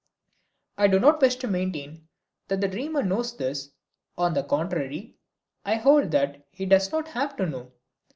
I do not wish to maintain that the dreamer knows this, on the contrary I hold that he does not have to know.